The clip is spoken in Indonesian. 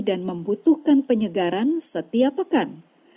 dan membutuhkan penyegaran setiap pekan